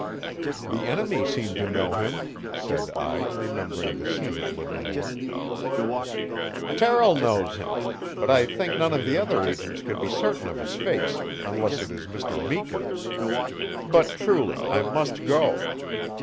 "The enemy seem to know him," said I, remembering the scene at Livermore. "Terrill knows him. I think none of the other agents could be certain of his face, unless it is Mr. Meeker. But truly, I must go."